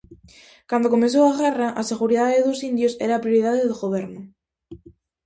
Cando comezou a guerra, a seguridade dos indios era a prioridade do goberno.